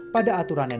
pada aturan energi